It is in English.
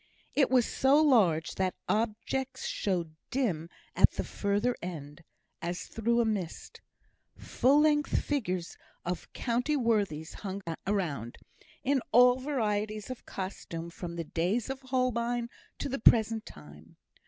It was so large, that objects showed dim at the further end, as through a mist. Full length figures of county worthies hung around, in all varieties of costume, from the days of Holbein to the present time.